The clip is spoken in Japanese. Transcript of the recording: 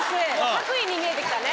白衣に見えてきたね